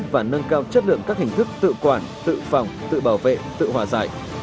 và nâng cao chất lượng các hình thức tự quản tự phòng tự bảo vệ tự hòa giải